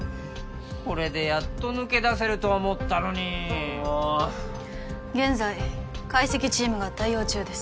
これでやっと抜け出せると思ったのに現在解析チームが対応中です